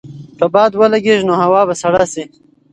که باد ولګېږي نو هوا به سړه شي.